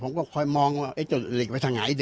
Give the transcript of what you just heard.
ผมก็คอยมองเห้กเอิ่ชาติออกไหนกัน